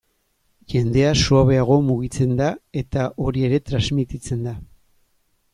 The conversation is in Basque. Jendea suabeago mugitzen da eta hori ere transmititzen da.